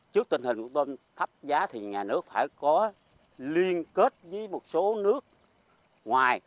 trước tình hình tôm tắp giá thì nhà nước phải có liên kết với một số nước ngoài